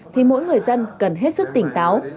thì mỗi người dân cần hết sức tỉnh táo